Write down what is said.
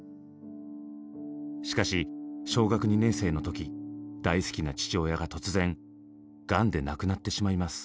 しかし小学２年生の時大好きな父親が突然がんで亡くなってしまいます。